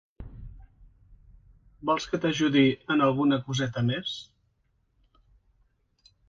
Vols que t'ajudi en alguna coseta més?